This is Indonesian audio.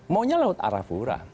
maunya laut arafura